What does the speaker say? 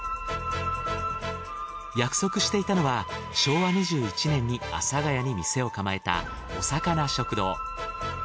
約束していたのは昭和２１年に阿佐ヶ谷に店を構えたおさかな食堂。